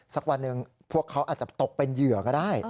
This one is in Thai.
สักวันหนึ่งพวกเขาอาจจะตกเป็นเหยื่อก็ได้